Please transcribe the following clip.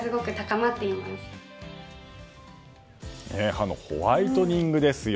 歯のホワイトニングですよ。